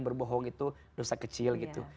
berbohong itu dosa kecil gitu